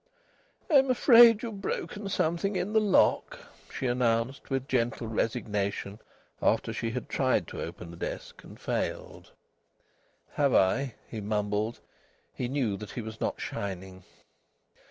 "I'm afraid you've broken something in the lock," she announced, with gentle resignation, after she had tried to open the desk and failed. "Have I?" he mumbled. He knew that he was not shining.